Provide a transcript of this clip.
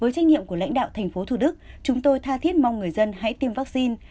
với trách nhiệm của lãnh đạo thành phố thủ đức chúng tôi tha thiết mong người dân hãy tiêm vaccine